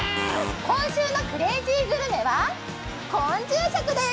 今週のクレイジーグルメは昆虫食でーす！